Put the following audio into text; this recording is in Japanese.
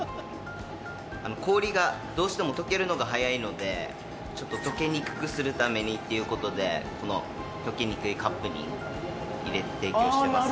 氷が、どうしても溶けるのが早いので溶けにくくするためにということでこの溶けにくいカップに入れて提供してますね。